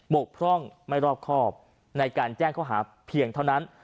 กพร่องไม่รอบครอบในการแจ้งข้อหาเพียงเท่านั้น